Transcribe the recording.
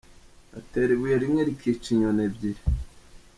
Atera ibuye rimwe rikica inyoni ebyiri.